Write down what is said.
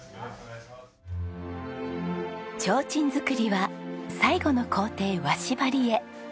提灯作りは最後の工程和紙張りへ。